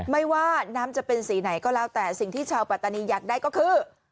ไม่ว่าน้ำจะเป็นสีไหนก็แล้วแต่สิ่งที่ชาวปัตตานีอยากได้ก็คือ